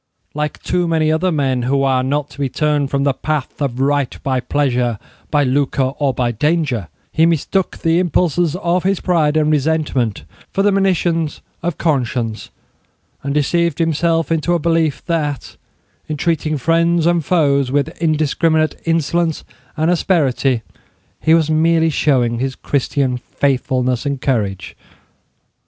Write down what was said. Like too many other men, who are not to be turned from the path of right by pleasure, by lucre or by danger, he mistook the impulses of his pride and resentment for the monitions of conscience, and deceived himself into a belief that, in treating friends and foes with indiscriminate insolence and asperity, he was merely showing his Christian faithfulness and courage.